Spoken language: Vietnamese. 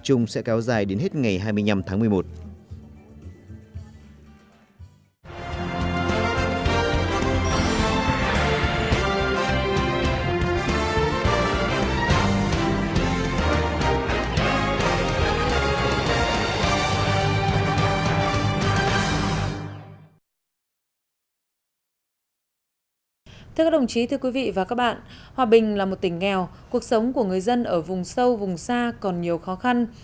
thưa các đồng chí thưa quý vị và các bạn hòa bình là một tỉnh nghèo cuộc sống của người dân ở vùng sâu vùng xa còn nhiều khó khăn